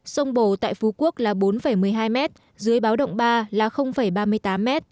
sông bồ tại phú quốc là bốn một mươi hai m dưới báo động ba là ba mươi tám m